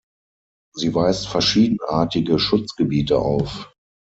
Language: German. Sie weist verschiedenartige Schutzgebiete auf.